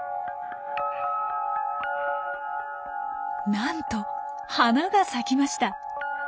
なんと花が咲きました。